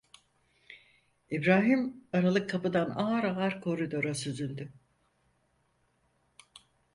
İbrahim aralık kapıdan ağır ağır koridora süzüldü.